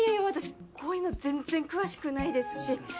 私こういうの全然詳しくないですし。